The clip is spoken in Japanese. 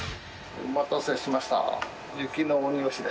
お待たせしました！